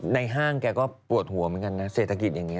ห้างแกก็ปวดหัวเหมือนกันนะเศรษฐกิจอย่างนี้